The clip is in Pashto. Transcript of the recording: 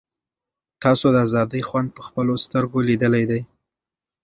تاسو د آزادۍ خوند په خپلو سترګو لیدلی دی.